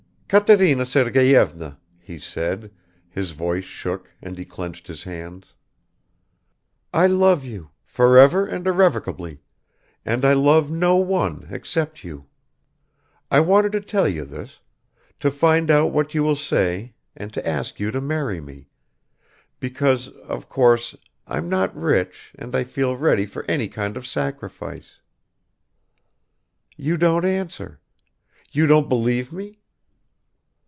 "Katerina Sergeyevna," he said; his voice shook and he clenched his hands; "I love you forever and irrevocably, and I love no one except you. I wanted to tell you this, to find out what you will say and to ask you to marry me, because, of course, I'm not rich and I feel ready for any kind of sacrifice ... You don't answer? You don't believe me?